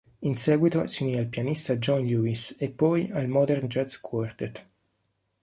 In seguito si unì al pianista John Lewis e poi al Modern Jazz Quartet.